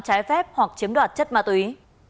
trái phép hoặc chiếm đoạt chất ma túy